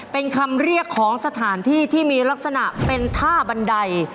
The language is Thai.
เป็นคำเรียกของสถานที่ที่มีลักษณะเป็นท่าบันได